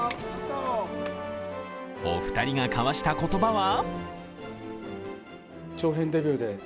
お二人が交わした言葉は？